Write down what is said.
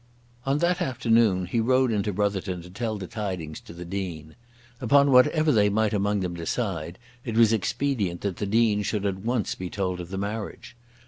On that afternoon he rode into Brotherton to tell the tidings to the Dean. Upon whatever they might among them decide, it was expedient that the Dean should be at once told of the marriage.